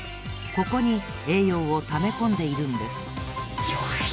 ここにえいようをためこんでいるんです。